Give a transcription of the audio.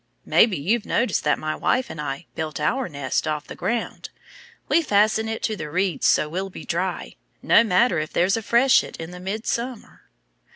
Maybe you've noticed that my wife and I built our nest off the ground. We fasten it to the reeds so we'll be dry, no matter if there's a freshet in midsummer."